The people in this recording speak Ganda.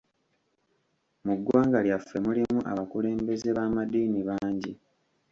Mu ggwanga lyaffe mulimu abakulembeze b'amaddiini bangi.